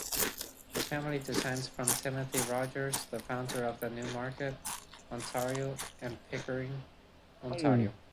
The family descends from Timothy Rogers, the founder of Newmarket, Ontario and Pickering, Ontario.